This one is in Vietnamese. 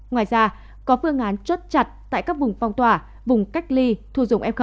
ngoài ra có phương án chốt chặt tại các vùng phong tỏa vùng cách ly thu dùng f